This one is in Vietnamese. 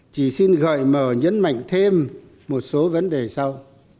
chỉ xin gợi mở nhấn mạnh thêm một số vấn đề sau